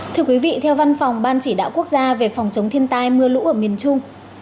thưa quý vị theo văn phòng ban chỉ đạo quốc gia về phòng chống thiên tai mưa lũ ở miền trung